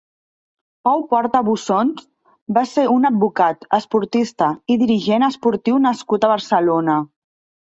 Pau Porta Bussoms va ser un advocat, esportista, i dirigent esportiu nascut a Barcelona.